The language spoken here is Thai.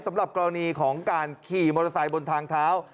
สำหรับกรณีของการขี่มอเตอร์ไซค์บนทางเท้า